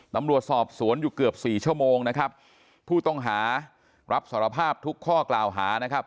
ตำรวจสอบสวนอยู่เกือบสี่ชั่วโมงนะครับผู้ต้องหารับสารภาพทุกข้อกล่าวหานะครับ